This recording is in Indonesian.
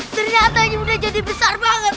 ternyata ini udah jadi besar banget